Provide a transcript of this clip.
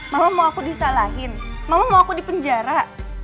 mama mau aku disalahin mama mau aku dipenjara